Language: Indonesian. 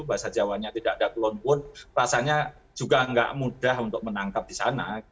bahasa jawanya tidak ada klon pun rasanya juga nggak mudah untuk menangkap di sana